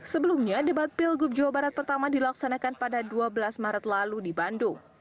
sebelumnya debat pilgub jawa barat pertama dilaksanakan pada dua belas maret lalu di bandung